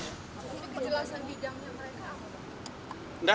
ini kejelasan bidangnya mereka apa